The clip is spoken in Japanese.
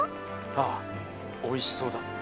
ああおいしそうだ。